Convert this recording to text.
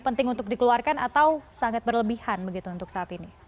penting untuk dikeluarkan atau sangat berlebihan begitu untuk saat ini